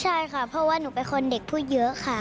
ใช่ค่ะเพราะว่าหนูเป็นคนเด็กพูดเยอะค่ะ